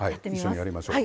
一緒にやりましょう。